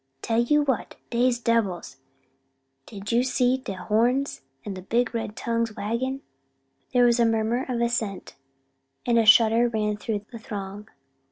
Tell ye what dey's debbils! didn't you see de horns, an' de big red tongues waggin'?" There was a murmur of assent, and a shudder ran through the throng.